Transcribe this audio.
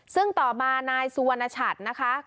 ซึ่งต่อมานายสุวรรณชัดนะคะ